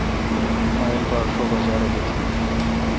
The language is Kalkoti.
مہ ایلپار شو بجا رل اتییون